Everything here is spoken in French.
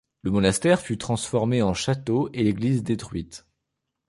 Le monastère fut transformé en château et l'église détruite.